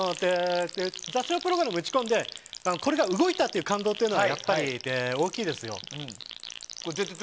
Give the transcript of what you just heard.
雑誌のプログラムを打ち込んでこれが動いたという感動はやっぱり大きいですよ。